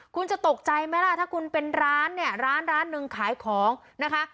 คุณจะตกใจไหมล่ะถ้าคุณเป็นร้านเนี่ยร้านร้านหนึ่งขายของนะคะ